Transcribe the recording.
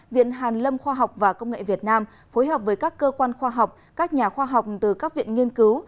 viện hàn lâm khoa học và công nghệ việt nam phối hợp với các cơ quan khoa học các nhà khoa học từ các viện nghiên cứu